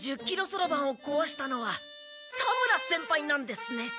そろばんを壊したのは田村先輩なんですね。